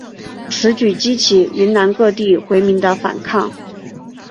此举激起云南各地回民的反抗。